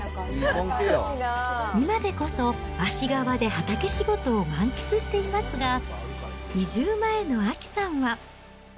今でこそ、芦川で畑仕事を満喫していますが、移住前の亜紀さんは。